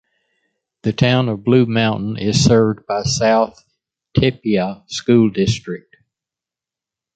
The Town of Blue Mountain is served by the South Tippah School District.